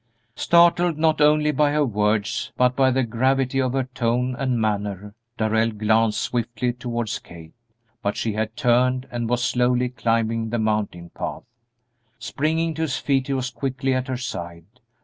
Startled not only by her words but by the gravity of her tone and manner, Darrell glanced swiftly towards Kate, but she had turned and was slowly climbing the mountain path. Springing to his feet he was quickly at her side.